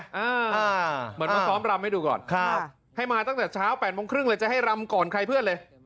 เหมือนมาซ้อมรำให้ดูก่อนครับให้มาตั้งแต่เช้า๘โมงครึ่งเลยจะให้รำก่อนใครเพื่อนเลย